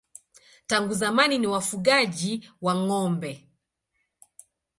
Tangu zamani ni wafugaji wa ng'ombe.